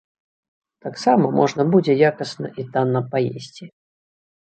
Таксама можна будзе якасна і танна паесці.